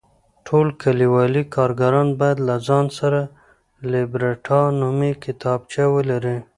ټول کلیوالي کارګران باید له ځان سره لیبرټا نومې کتابچه ولري.